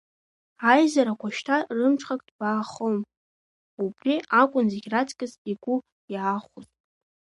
Аизарақәа шьҭа рымҽхак ҭбаахон, убри акәын зегь раҵкыс игәы иаахәоз.